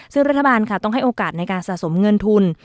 ซึ่งรัฐบาลค่ะต้องให้โอกาสในการสะสมเงินทุน